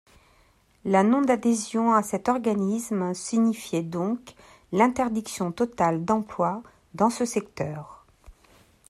La non-adhésion à cet organisme signifiait donc l'interdiction totale d'emploi dans ce secteur.